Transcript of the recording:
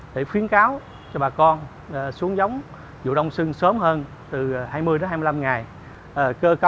xây dựng cái kế hoạch hướng dẫn bà con nông dân là xuống giống sớm hơn lịch thời vụ hàng năm là